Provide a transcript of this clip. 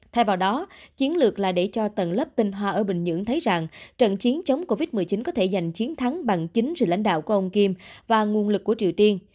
thay vào đó chiến lược là để cho tầng lớp tinh hoa ở bình nhưỡng thấy rằng trận chiến chống covid một mươi chín có thể giành chiến thắng bằng chính sự lãnh đạo của ông kim và nguồn lực của triều tiên